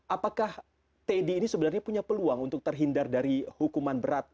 apakah teddy ini sebenarnya punya peluang untuk terhindar dari hukuman berat